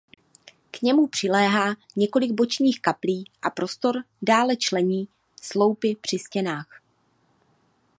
K němu přiléhá několik bočních kaplí a prostor dále člení sloupy při stěnách.